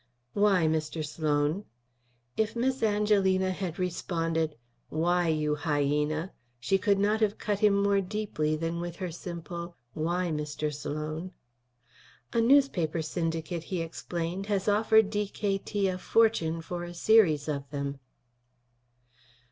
"Why, Mr. Sloan?" If Miss Angelina had responded, "Why, you hyena?" she would not have cut him more deeply than with her simple, "Why, Mr. Sloan?" "A newspaper syndicate," he explained, "has offered D.K.T. a fortune for a series of them."